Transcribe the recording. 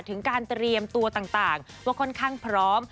ถึงการเตรียมตัวต่างว่าค่อนข้างพร้อม